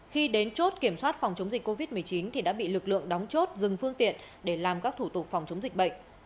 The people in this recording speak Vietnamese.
khi đến chốt kiểm soát phòng chống dịch covid một mươi chín thì đã bị lực lượng đóng chốt dừng phương tiện để làm các thủ tục phòng chống dịch bệnh